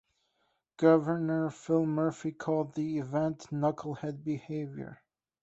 Governor Phil Murphy called the event "knucklehead behavior".